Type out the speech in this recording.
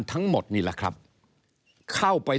ก็จะมาจับทำเป็นพรบงบประมาณ